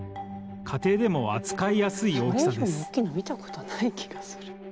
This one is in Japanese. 家庭でも扱いやすい大きさです。